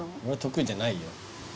俺得意じゃないよ。